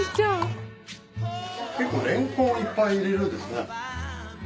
結構レンコンをいっぱい入れるんですね。